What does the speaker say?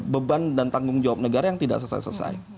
beban dan tanggung jawab negara yang tidak selesai selesai